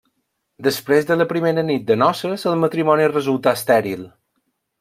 Després de la primera nit de noces el matrimoni resultà estèril.